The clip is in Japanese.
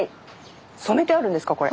染めてあるんですかこれ。